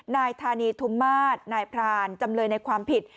นายธานีทุมมาศนายพรานจำเลยในความผิด